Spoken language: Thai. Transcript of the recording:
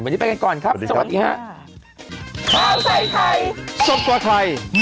วันนี้ไปกันก่อนครับสวัสดีค่ะ